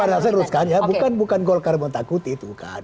saya teruskan ya bukan golkar menakuti itu kan